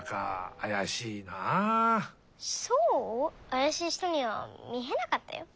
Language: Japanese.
あやしい人にはみえなかったよ。